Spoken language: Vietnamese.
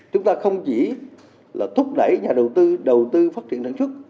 chúng ta không chỉ là thúc đẩy nhà đầu tư đầu tư phát triển sản xuất